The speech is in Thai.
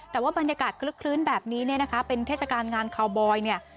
แต่ว่าบรรยากาศคลึกแบบนี้นะคะเป็นเทศการณ์งานคาวบอย